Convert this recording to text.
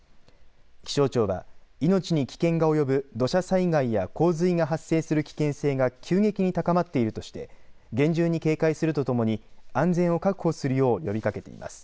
気象庁は命に危険が及ぶ土砂災害や洪水が発生する危険性が急激に高まっているとして厳重に警戒するとともに安全を確保するよう呼びかけています。